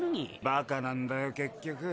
バカなんだよ結局。